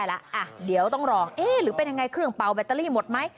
แล้วเดี๋ยวต้องรอเอ๊ะหรือเป็นยังไงเครื่องเป่าแบตเตอรี่หมดไหม